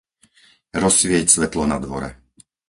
Rozsvieť svetlo na dvore.